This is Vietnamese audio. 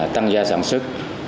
tăng gia sản xuất